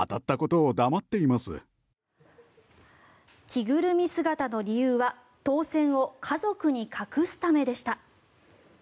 着ぐるみ姿の理由は当選を家族に隠すためでした。